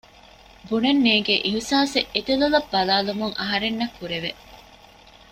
ބުނަން ނޭނގޭ އިހުސާސެއް އެ ދެލޮލަށް ބަލާލުމުން އަހަރެންނަށް ކުރެވެ